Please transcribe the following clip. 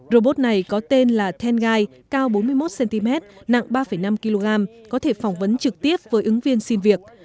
robot này có tên là tengai cao bốn mươi một cm nặng ba năm kg có thể phỏng vấn trực tiếp với ứng viên xin việc